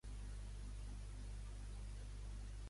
Es complaïa de les vistes?